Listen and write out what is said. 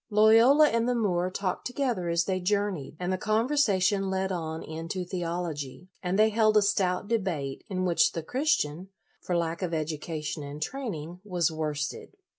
Loyola and the Moor talked to gether as they journeyed, and the conver sation led on into theology, and they held a stout debate, in which the Christian, for lack of education and training, was worsted.